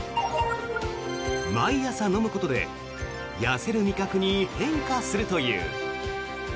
毎朝飲むことで痩せる味覚に変化するという。